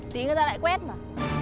tí người ta lại quét mà